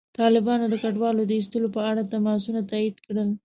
طالبانو د کډوالو د ایستلو په اړه تماسونه تایید کړل.